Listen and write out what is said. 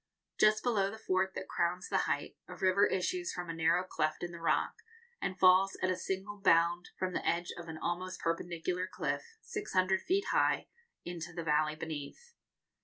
Just below the fort that crowns the height, a river issues from a narrow cleft in the rock, and falls at a single bound from the edge of an almost perpendicular cliff, 600 feet high, into the valley beneath.